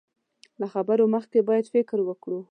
له خبرو مخکې بايد فکر وکړو.